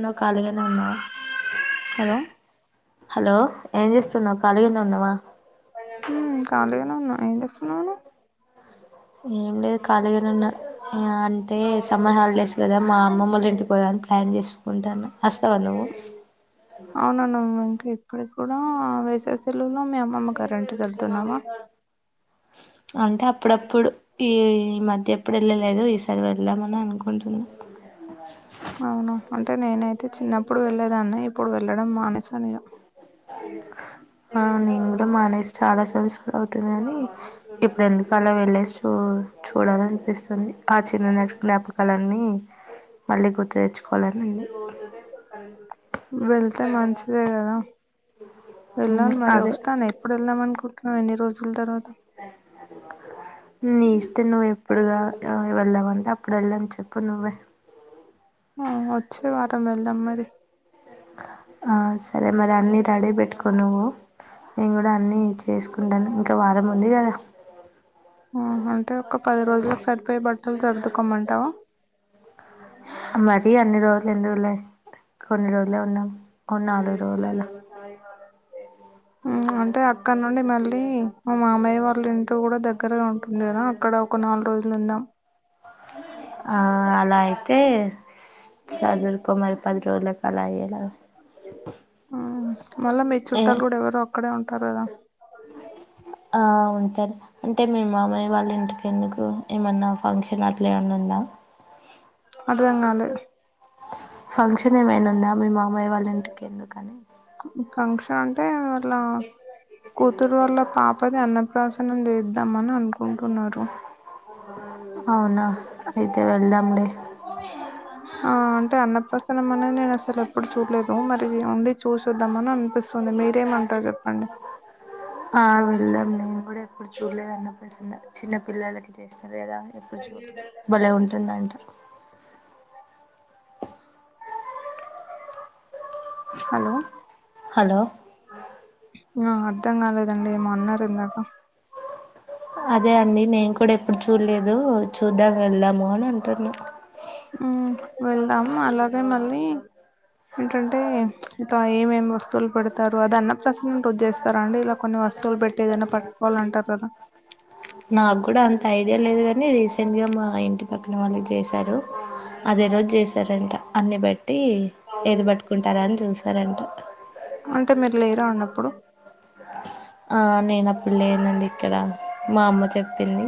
నావు ఖాళీగానే ఉన్నావ hello hello ఏం చేస్తున్నావు కాలిగానే ఉన్నావా మ్మ్ ఖాళీగానే ఉన్నా ఏం చేస్తున్నావ్ నువ్వు ఏ ఏం లేదు కాలీగానే ఉన్నా అంటే సమ్మర్ హాలిడేస్ కదా మా అమ్మమొల ఇంటికి పో ప్లాన్ చేసుకుంటన్న అవునవును నువ్వు ఇప్పటికీ కూడా వేసవిసెలవులో మీ అమ్మమ్మగారి ఇంటికి వెళ్తున్నావా అంటే అప్పుడప్పుడు ఈ ఈ మధ్య ఎప్పుడు వెళ్ళలేదు ఈసారి వెళ్దామని అనుకుంటున్నా అవున అంటే నేనైతే చిన్నప్పుడు వెళ్లేదాన్న ఇప్పుడు వెళ్ళడం మానేసనిగా ఆ నేను కూడా మానేసి చాలా సంవ అవుతుంది కాని ఇప్పుడు ఎందుకు అలా వెళ్లేేసి చూ చూడాల అనిపిస్తుంది ఆ చిన్న నాటి జ్ఞాపకాలన్నీ మళ్ళీ గుర్తు తెచ్చు వెళ్తే మంచిదే కదా ఉమ్, వెళ్ళాలి మర అదే వస్తాను ఎప్పుడు వెళ్దాం అనుకుంటున్నాం ఎన్ని రోజుల తర్వాత నీ ఇష్టం నువ్వు ఎప్పుడుగా వెళ్దామంటే అప్ ఏప్పుడు వెళ్ళం చెప్పు నువ్వే ఆ వచ్చే వారం వెళ్దాం మరి సరే మరీ అన్ని రెడీ పెట్టుకో నువ్వు నేను కూడా అన్ని చేసుకుంటా ఇంకా వారం ఉంది కదా అంటే ఒక పది రోజులకు సరిపోయే బట్టలు సరుదుకోమంటావా మరి అన్ని రోజులు ఎందుకు లే కొన్ని రోజులే ఉందం ఓ అంటే అక్కడ నుండి మళ్ళీ మా మామయ్య వాళ్ళ ఇంటికీ కూడా దగ్గరగా ఉంటుంది కదా అక్కడ ఒక నాలుగు రోజులు ఉందాం ఆ అలా అయితే సాధురుకో మరి పది రోలా అలా కయ్యేలాగ మ్మ్ మళ్ళా మీ చుట్టాలు కూడా ఎవరో అక్కడే ఉంటారు కదా ఆ ఉంటరూ అంటే మీ మామయ్య వాళ్ళ ఇంటికి ఎందుకు ఏమన్నా ఫంక్షన్ అట్లా ఏమన్నా ఉందా ఆడాధంకాలే ఫంక్షన్ ఏమైనా ఉందా మీ మామయ్య వాళ్ళ ఇంటికి ఎందుకని ఫంక్షన్ అంటే వాళ్ళ కూతురు వాల్ల పాపది అన్నప్రాసనం చేద్దాంమని అనుకు కుంటున్నారు అవునా అయితే వెళ్దాంలే ఆ అంటే అన్నప్రసనం అనేది నేను అసలు ఎప్పుడు చూడలేదు మరి ఉండి చూసోద్దాం అని అనిపిస్తుంది మీరేమంటారు చెప్పండి ఆ వెళ్ళాదాం నేను కూడా ఎప్పుడు చూడలేదు అన్నప్రసన్నా చిన్న పిల్లలకి చేస్తా లేదా ఎప్పుడు చూడలేదు భలే ఉంటుందంట హలో హలో ఆ అర్థం కాలేదండి ఏమో అన్నారు ఇందాక అదే అండి నేను కూడా ఎప్పుడు చూడలేదు చూద్దాం వెళ్దాము అని అంటున్నా వెళ్దాం అలాగే మళ్ళీ ఏంటంటే ఇలా ఏమేమి వస్తువులు పెడతారు అది అన్నప్రసన్న రోజు చేస్తారు అండి ఇలా కొన్ని అసలు పెట్టే ఏదన్న పట్టుకోవాలి అంటే అసలు నాకు కూడా అంత ఐడియా లేదు గానీ రీసెంట్ గా మా ఇంటికి పని వాళ్ళకి చేశారు అదే రోజు చేశారంట అన్ని బట్టి బట్టి ఏది పట్టుకుంటారా అని చూసారంట అంటే మీరు లేరా ఉన్నప్పుడు ఆ నేను అప్పుడు లేనండి ఇక్కడ మా అమ్మ చెప్పింది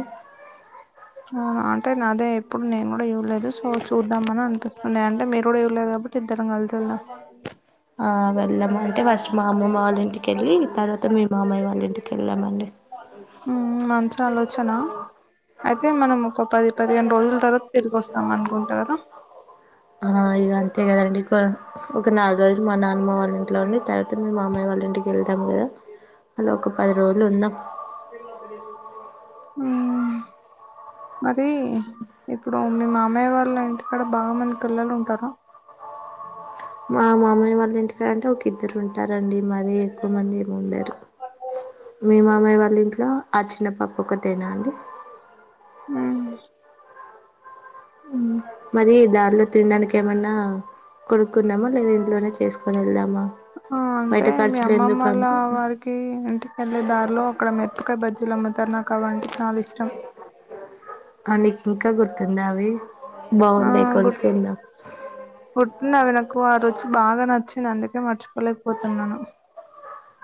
హ అంటే నాదే ఎప్పుడు నేను కూడా చూడలేదు సో చూద్దామని అనిపిస్తుంది అంటే మీరు కూడా చూడలేదా ఇప్పుడుకి ఇద్దరం కలిసి వెళదాం ఆ వెళ్ళాము అంటే ఫస్ట్ మా అమ్మమ్మ వాళ్ళ ఇంటికి వెళ్ళి తర్వాత మీ మామయ్య వాళ్ళింటికి వెళ్ళామండి ఆ మంచి ఆలోచన అయితే మనం ఒక పది పదిహేను రోజుల తర్వాత తిరిగి అస్ ఆ ఇక అంతే కదండి ఒక ఒక నాలుగు రోజులు మా నాన్ అమ్మ వాళ్ళ ఇంట్లో ఉండి తర్వాత మీ మామయ్య వాళ్ళ ఇంటికి వెళ్దాం కదా అలా ఒక పది రోజులు ఉందాం ఆ మరి ఇప్పుడు మీ మామయ్య వాళ్ళ ఇంటి కాడ బాగా మంది పిల్లలు ఉంటారా మా మామయ్య వాళ్ళ ఇంటికాడ అంటే ఒక ఇద్దరు ఉంటారండి మరీ ఎక్కువ మంది ఏమి ఉండరు మీ మామయ్య వాళ్ళ లి ఇంట్లో ఆ చిన్న పాప ఒకతేనా అండి నానిష్ ఉ మరి దారిలో తినడానికి ఏమన్నా కొడుక్కుందామా లేదా ఇంట్లోనే చేసుకోని వెళ్దామ్ ఆ అంటే మీ అమ్మమ్మల ఎందుకని వారికి ఇంటికి వెళ్ళే దారిలో అక్కడ మిరపకాయ బజ్జి లు అమ్మతారు నాకు అవంటే చాలా ఇష్టం ఆ నీకు ఇంకా గుర్తుందా అవి ఆ బాగుంటాయి కొనుకుందాం ఉన్నది నాకు ఆ రోజు బాగా నచ్చింది అందుకే మర్చి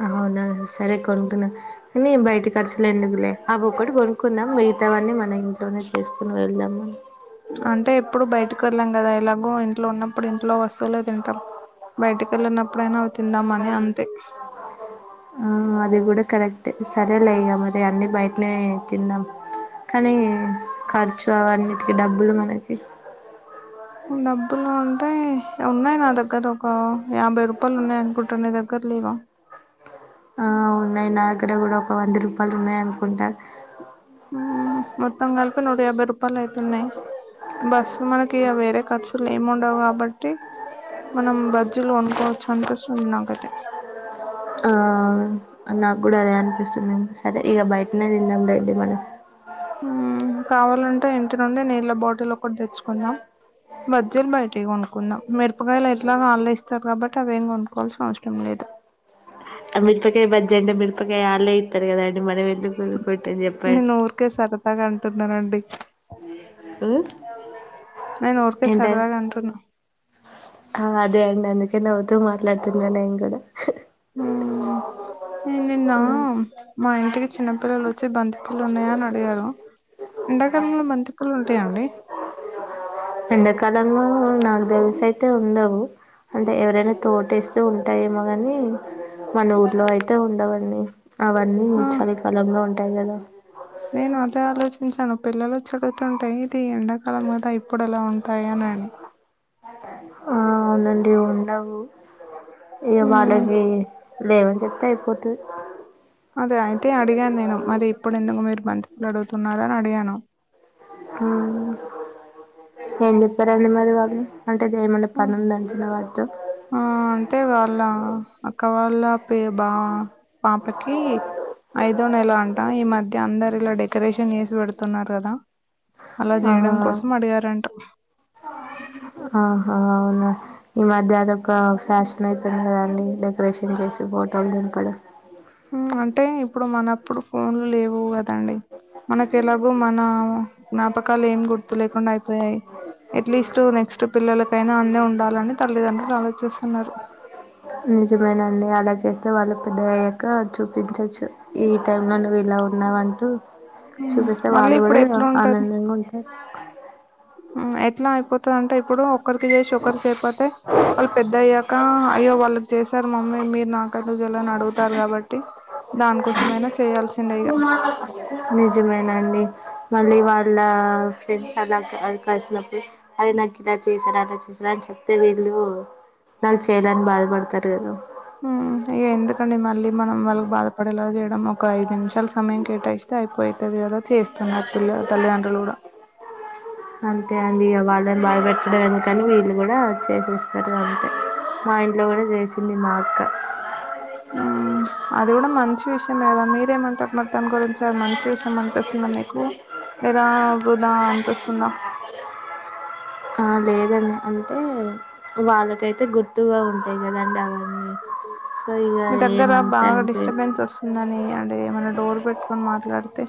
అవునా సరే కొనుకుందాం అన్ని బయట ఖర్చులే ఎందుకులే అ ఒక్కటి కొనుక్కుందాం మిగతావన్నీ మన ఇంట్లోనే చేసుకుని వెళ్దాము అంటే ఎప్పుడు బయటకి వెళ్ళాం కదా ఇలాగో ఇంట్లో ఉన్నప్పుడు ఇంట్లో వస్ అసలే తింటాం బయటికి వెళ్ళినప్పుడైనా అవి తిందామ్ అని అంతే ఆ అది కూడా కరెక్ట్ సరే లే ఇగా మరి అన్ని బయట నే తిన్నాం కానీ ఖర్చు అవన్నిటికి డబ్బులు మనకి డబ్బులు ఉంటే ఉన్నాయి నా దగ్గర ఒక యాభై రూపాయలు ఉన్నాయి అనుకుంటా నీ దగ్గర లేవ ఉన్నాను ఇక్కడ కూడా ఒక వంద రూపాయలు ఉన్నాయి అనుకుంటా ఊ మొత్తం కలిపి నూట యాభై రూపు పలు అయితున్నాయి బస్సు మనకి వేరే ఖర్చులు ఏమి ఉండవు కాబట్ టి మనం బజ్జీలు కోనుకోవచ్చు అనిపిస్తుంది నాకైతే ఆ నాకు కూడా అదే అనిపిస్తుంది సరే ఇక బయటనే తిందాం లేండి మనం ఆహా కావాలంటే ఇంటి నుండి నీళ్ళ బాటిల్ ఒకటి తెచ్చుకుందాం బజ్జీలు బయట ఇయ్ కోను కున్నా మిరపకాయలు ఎట్లా ఆల్లే ఇస్తారు కాబట్టి అవి ఏం కొనుకోవాల్సిన అవసరం లేదు ఆ మిరపకాయ బజ్జి అండి మిరపకాయ ఆళ్ళే ఇస్తారు కదండి మనం ఎందుకు ల్లోలి పెట్ చెప్పట్ నేను ఊరికే సరదాగా అంటున్నానండి నేను ఊరికే ఎంటన్ సరదాగా అంటున్నా ఆ అదే అండి అని ఇర్ నవ్వుతూ మాట్లాడుతున్నా నేను కూడా మ్మ్ నేను నిన్న ఉ మా ఇంటికి చిన్నపిల్లలు వచ్చి బంతిపూలు ఉన్నాయా అని అడిగారు ఎండాకాలంలో బంతిపూలు ఉంటాయండి ఎండకాలంలో నాకు తెలుసు అయితే ఉండవు అంటే ఎవరైనా తోటేస్తే ఉంటాయి ఏమో కాని మన ఊర్లో అయితే ఉండవన్నీ అవన్నీ ఆ చలికాలంలో ఉంటాయి కదా నేను అదే ఆలోచించాను పిల్లలు చడువుతుంటేయి ఇది ఎండాకాలం కదా ఇప్పుడు ఎలా ఉంటాయి అనెను ఆ అవునండి ఉండవు ఈ మ్మ్ వాళ్ళకి లేవని చెప్తే అయిపో అదే అయితే అడిగాను నేను మరి ఇప్పుడు ఎందుకు మీరు బంతపూలు అడు తున్నారు అని అడిగాను ఆహా ఏం చెప్పారండి మరి వాళ్ళు అంటే ఇది ఏమండే ఆ పని ఉంది అంటున్న [unintelligible] ఆ అంటే వాళ్ళ అక్క వాళ్ళ పే బా పాపకి ఐదో నెల అంటా ఈ మధ్య అందరు ఇలా డెకరేషన్ చేసి పెడుతున్నారు కదా అలా ఆ చేయడం కోసం అడిగారంట ఆహా అవునా ఈ మధ్య అదొక ఫ్యాషన్ అయిపోయింది కదండి డెకరేషన్ చేసి ఫోటోలు దిప్పటం హూ అంటే ఇప్పుడు మనప్పుడు ఫోన్లు లేవు కదండి మనకు ఎలాగో మన జ్ఞాపకాలు ఏం గుర్తు లేకుండా అయిపోయాయి ఎట్లీస్ట్ నెక్స్ట్ పిల్లల కైన అన్ని ఉండాలని తల్లిదండ్రులు ఆలోచిస్తున్నారు నిజమేనండి అలా చేస్త అ వాళ్ళు పెద్ద అయ్యాక చూపించచ్చు ఈ టై లో నువ్వు ఇలా ఉన్నావంటూ ఉమ్, చూపిస్తే మళ్ళీ వాళ్ళు కూడా ఇప్పుడు ఎట్లా ఉంటది ఆనందంగా ఉంటారు ఉమ్ ఎట్లా అయిపోతుంది అంటే ఇప్పుడు ఒకరికి చేసి ఒకరికియిపోతే వాళ్ళు పెద్ద అయ్యాక అయ్యో వాళ్ళకి చేశారు మమ్మీ మీరు నాకెందుకు చేయలేదు అని అడుగుతారు కాబట్టి దానికోసంమైనా చేయాల్సి నిజమేనండి మళ్ళీ వాళ్ళ ఫ్రెండ్స్ అలా కనిసినప్పుడు అదిే నాకు ఇలా చేసారు అలా చేసారా అని చెప్తే వీళ్ళు నాకు చేయాలే అని బాధపడతారు కదా వళ్ల బాధ పడేలా మనం ఒక ఐదు నిమిషాల సమయం కేటాయిస్తే అయిపోయితది కదా చేస్తున్నారు పిల్ల తల్లిదండ్రులు కూడా అంతే అండి వాళ్ళని బాధ పెట్టుడు ఎందుకని వీళ్ళు కూడా చేసేస్తారు అంతే మా ఇంట్లో కూడా చేసింది మా అక్క ఉమ్ అది కూడా మంచి విషయం కదా మీరేమంటారు మా దాని గురించి [unintelligible] మంచి విషయం అనిపిస్తుందా మీకు ఏదా [unintelligible] దా అనిపిస్తోది నాకు ఆ లేదుండి అంటే వాళ్ళకైతే గుర్తుగా ఉంటాయి కదండి అవన్నీ సో ఇక మీ దగ్గర ఏమంతా బాగా అనిపి డిస్టర్బెన్స్ వస్తుందని అంటే ఎమైనా డోర్ పెట్టుకని మాట్లాడుత తే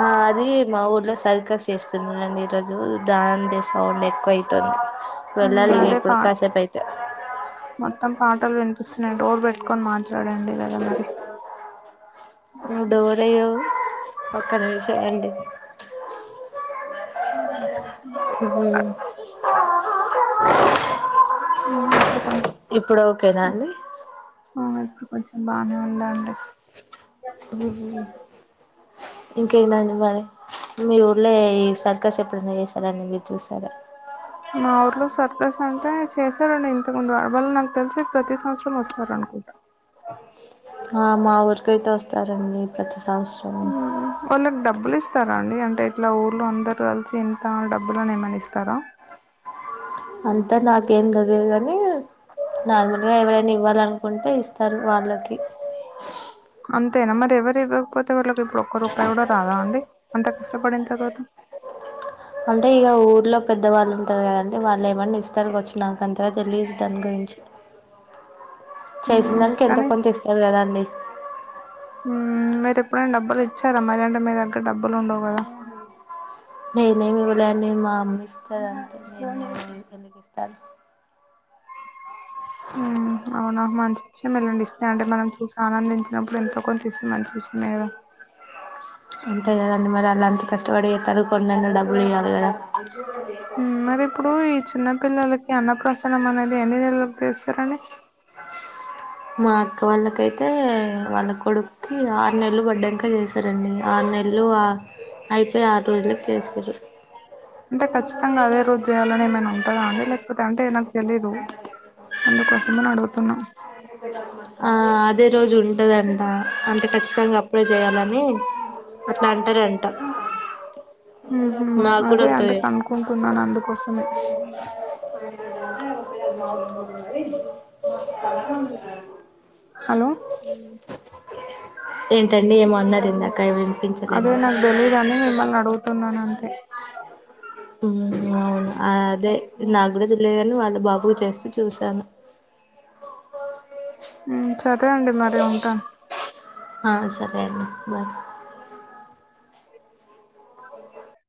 ఆ అద మా ఊర్లో సర్కస్ చేస్తున్నాారంండి ఈ రోజు దాని దే సౌండ్ ఎక్కువ అవుతుంది ఉమ్ వెళ్ళాలి ఇగ అదే ఇప్పుడు పా కాసేపు అయితే మొత్తం పాటలు వినిపిస్తున్నాయిండి డోర్ పెట్టుకొని మాట్లాడండి కదా మరి డోర్ ఎయ్యావ్ ఒక్కరి [unintelligible] యండి అ ఉమ్ ఇప్పుడు కొంచెం ఇప్పుడు ఓకేనా అండి ఆ ఇప్పుడు కొంచెం బాగానే ఉందాండి ఇంకేనాండి మరి మీ ఊర్లో ఈ సర్కస్ ఎప్పుడున్నా చేసారా అని మీరు చూసారు మా ఊర్లో సర్ప్రైజ్ అంటే చేశారండి ఇంతకు ముందు వాళ్ళ నాకు తెలిసి ప్రతి సంవత్సరం వస్తారండి సారు ఆ మా ఊరికైతే వస్తారండి ప్రతి సంవత్సరం మ్మ్ వాళ్ళ కి డబ్బులు ఇస్త్ ఇస్తారా అండి అంటే ఇట్లా ఊళ్ళ అందరు కలిసి ఇంత డబ్బులునే ఏమన్న ఇస్తారా అంతా నాకేం ఉండదు కాని నార్మల్ గా ఎవరైనా ఇవ్వాల కుంటే ఇస్తారు వాళ్ళకి అంతేన మరి ఎవరు ఇవ్వకపోతే వాళ్ళకి ఇప్పుడు ఒక్క రూపాయి కూడా రాదా అండి అంత కష్టపడిన తర్వాత అంటే ఇక ఊర్లో పెద్దవాళ్ళు అంటారు కదండి వాళ్ళు ఏమన్ననా ఇస్తారు కావచ్చు నాకు అంతగా తెలియదు దాని గురించి చేసిన ఉమ్ దానికి ఎంతో కానీ కొంత ఇస్తారు కదాండి మ్మ్ మీరు ఎప్పుడైనా డబ్బులు ఇచ్చారా మరి అంటే మీ దగ్గర డబ్బులు ఉండవు కదా నిను ఏమ్ ఇవ్వలేదండి మా అమ్మ ఇస్తారు అంతే నేను ఎందుకు ఇస్తాను అవునా మంచి విషయామే లేండి అంటే మనం చూసి ఆనందించ మనం ఇంట్లొ నుంచి ఒకరు [unintelligible] మంచి విషయమే కదా దేం మరి వాళ్ళు అంత కష్టపడి ఫలితాం మరి ఇప్పుడు ఈ చిన్న పిల్లలకి అన్నప్రసన్నం అనేది ఎన్ని రోజులకీ చెస్తారు అండి మా అక్క వాళ్ళకైతే వాళ్ళ కొడుక్కి ఆరు నెలలు పడ్డాంక చేసారండి ఆరు నెల్లు అయితే ఆరు నెలలకి చెస్తారు అంటే అదే ఖచ్చితంగా అదే రోజు చేయాలని ఏమైనా ఉంటదా అండి లేకపోతే [unintelligible] నీ కోసం అని అడుగుతున్న ఆ అదే రోజు ఉంటదంట అంటే ఖచ్చితంగా అప్పుడే చేయాలని అట్లా అంటార అంట మ్మ్ అదే అండి కనుక్కుంటున్నాను అందుకోసమే [inaudible] హలో ఏంటండి ఏమో అన్నారు ఇందాక అదే నాకు తెలీయదుని మిమ్మల్ని అడుగుతున్నాను అంతే అవును అదే నాకు కూడా తెల్లియదు కాని వాళ్ళ బాబుకు చేస్తే చూసాను మ్మ్ సరే అండి మరి ఉంటా ఆ సరే అండి బాయ్